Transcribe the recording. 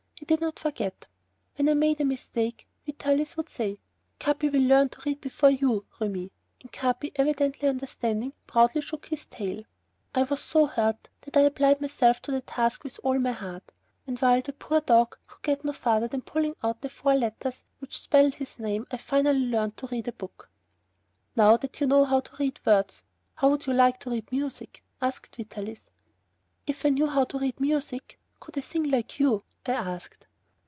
He did not forget. When I made a mistake Vitalis would say: "Capi will learn to read before you, Remi." And Capi, evidently understanding, proudly shook his tail. I was so hurt that I applied myself to the task with all my heart, and while the poor dog could get no farther than pulling out the four letters which spelled his name, I finally learned to read from a book. "Now that you know how to read words, how would you like to read music?" asked Vitalis. "If I knew how to read music could I sing like you?" I asked.